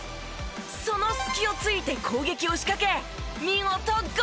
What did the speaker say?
その隙を突いて攻撃を仕掛け見事ゴール！